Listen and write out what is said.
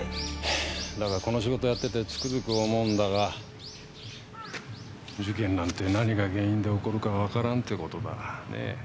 ハァだがこの仕事をやっててつくづく思うんだが事件なんて何が原因で起こるか分からんってことだね